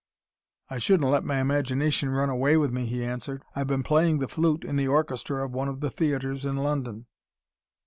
"I shouldn't let my imagination run away with me," he answered. "I've been playing the flute in the orchestra of one of the theatres in London."